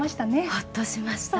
ホッとしました。